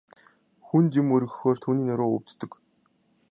Хүнд юм өргөхлөөр түүний нуруу өвддөг.